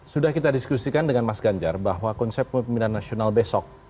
sudah kita diskusikan dengan mas ganjar bahwa konsep pemimpinan nasional besok